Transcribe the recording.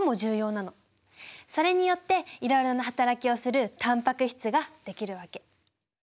それによっていろいろな働きをするタンパク質ができるわけ。